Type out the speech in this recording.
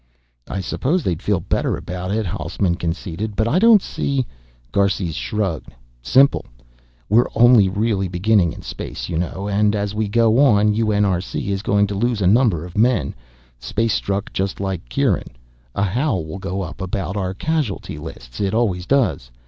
"I suppose they'd feel better about it," Hausman conceded. "But I don't see " Garces shrugged. "Simple. We're only really beginning in space, you know. As we go on, UNRC is going to lose a number of men, space struck just like Kieran. A howl will go up about our casualty lists, it always does.